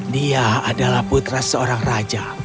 dia adalah putra seorang raja